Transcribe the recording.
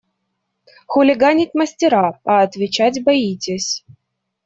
Хулиганить мастера, а отвечать боитесь!